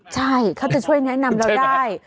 ใช่เขาจะช่วยแนะนำเราได้